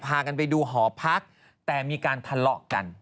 พากันไปดูหอพักแต่มีการทะเลาะกัน